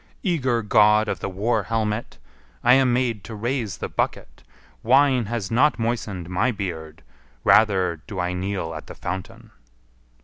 Eager God of the war helmet! I am made to raise the bucket; wine has not moistened my beard, rather do I kneel at the fountain."